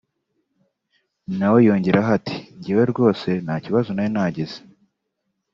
nawe yongeyeho ati “Njye rwose nta kibazo nari nagize